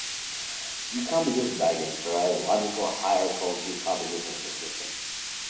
Decomposition diagrams provide a logical hierarchical decomposition of a system.